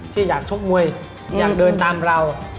ที่อยากชกมวยอยากเดินตามเรา